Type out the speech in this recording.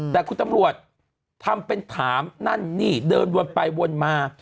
แต่คุณตำรวจทำเป็นถามนั่นนี่เดินวนไปวนมา